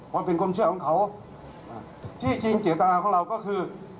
มันเป็นความเชื่อของเขาที่จริงเจตนาของเราก็คือ